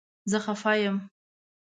زه خفه یم